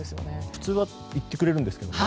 普通はいってくれるんですけどね。